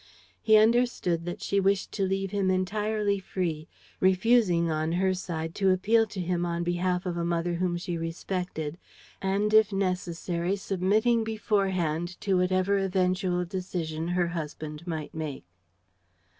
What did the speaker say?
He understood that she wished to leave him entirely free, refusing, on her side, to appeal to him on behalf of a mother whom she respected and, if necessary, submitting beforehand to whatever eventual decision her husband might make.